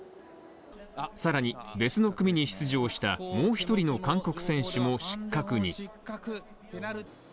更に別の組に出場したもう一人の韓国選手も失格に。